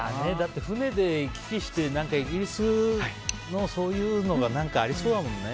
船で行き来してイギリスのそういうのが何かありそうだもんね。